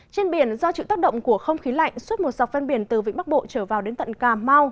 trên biển do chịu tác động của không khí lạnh suốt một dọc ven biển từ vĩnh bắc bộ trở vào đến tận cà mau